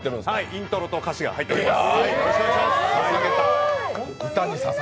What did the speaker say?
イントロと歌詞が入っております。